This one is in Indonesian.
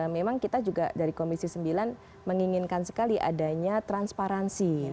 memang kita juga dari komisi sembilan menginginkan sekali adanya transparansi